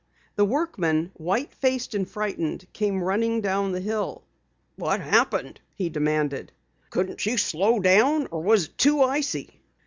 The workman, white faced and frightened, came running down the hill. "What happened?" he demanded. "Couldn't you slow down or was it too icy?"